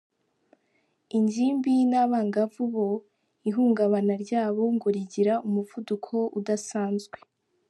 Ingimbi n’abangavu bo ihungabana ryabo ngo rigira umuvuduko udasanzwe.